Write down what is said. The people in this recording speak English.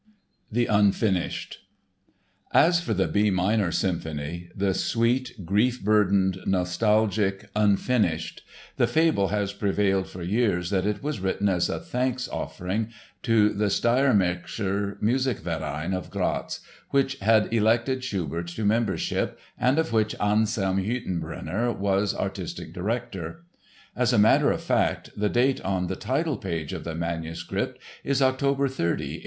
The "Unfinished" As for the B minor Symphony, the sweet, grief burdened, nostalgic Unfinished, the fable has prevailed for years that it was written as a thanks offering to the Steiermärkischer Musikverein of Graz, which had elected Schubert to membership and of which Anselm Hüttenbrenner was artistic director. As a matter of fact, the date on the title page of the manuscript is October 30, 1822.